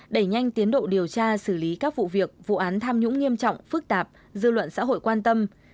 đẩy nhanh tiến độ điều tra xử lý các vụ việc vụ án tham nhũng nghiêm trọng phức tạp dư luận xã hội quan tâm